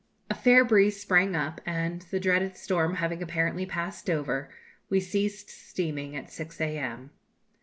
A fair breeze sprang up, and, the dreaded storm having apparently passed over, we ceased steaming at 6 a.m.